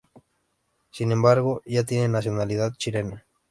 Sin embargo, ya tiene nacionalidad chilena.